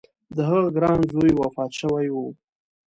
د هغه ګران زوی وفات شوی و.